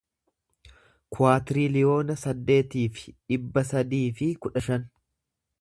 kuwaatiriliyoona saddeetii fi dhibba sadii fi kudha shan